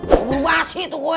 lo belum bahas itu gue